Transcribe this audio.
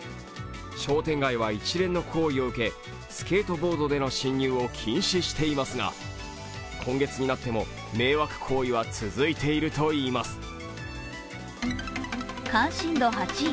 商店街は一連の行為を受けスケートボードでの進入を禁止していますが今月になっても迷惑行為は続いているといいます。